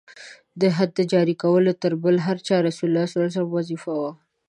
د حد جاري کول تر بل هر چا د حضرت رسول ص وظیفه وه.